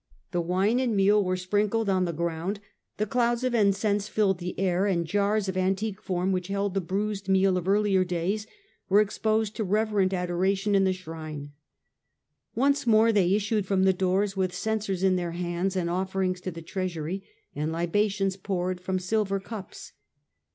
The wine and meal were sprinkled on the ground, the clouds of incense filled the air, and the jars of antique form which held the bruised meal of earlier days were exposed to reverent adoration in the shrine. Once more they issued from the doors, with censers in their hands, and offerings to the treasury, and libations poured from silver cups.